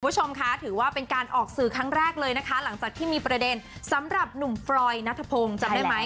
คุณผู้ชมคะถือว่าเป็นการออกสื่อครั้งแรกเลยนะคะหลังจากที่มีประเด็นสำหรับหนุ่มฟรอยนัทพงศ์จำได้ไหม